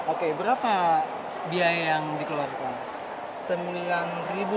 oke berapa biaya yang dikeluarkan